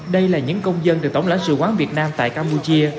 đây là những công dân được tổng lãnh sự quán việt nam tại campuchia